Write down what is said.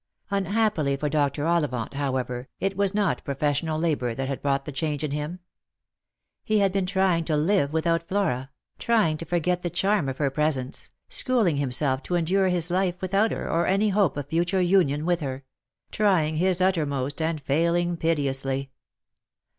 Unhappily for Dr. Ollivant, however, it was not professional labour that had wrought the change in him. He had been trying to live without Flora, trying to forget the charm of her presence, schooling himself to endure his life without her or any hope of future union with her ; trying his uttermost, and failing piteously.